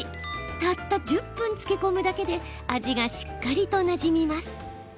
たった１０分漬け込むだけで味がしっかりとなじみます。